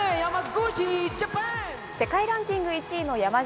世界ランキング１位の山口。